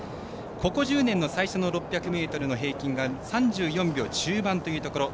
ここ１０年の最初の６００ｍの平均は３４秒中盤というところ。